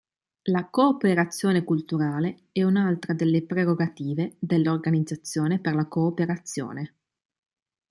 La cooperazione culturale è un'altra delle prerogative dell'Organizzazione per la cooperazione.